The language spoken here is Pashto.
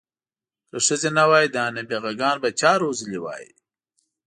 که ښځې نه وای دا نابغه ګان به چا روزلي وی.